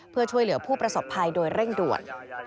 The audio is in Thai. เพื่อช่วยเหลือผู้ประสบภัยโดยเร่งด่วน